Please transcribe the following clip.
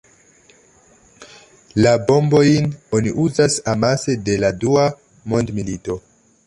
La bombojn oni uzas amase de la dua mondmilito.